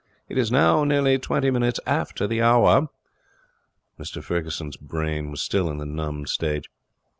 It is now nearly twenty minutes after the hour.' Mr Ferguson's brain was still in the numbed stage.